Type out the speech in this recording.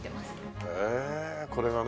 へえこれがね。